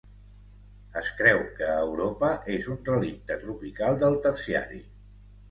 Es creu que a Europa és un relicte tropical del terciari.